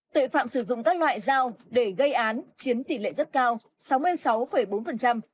tuệ phạm sử dụng các loại dao để gây án chiến tỷ lệ rất cao sáu mươi sáu bốn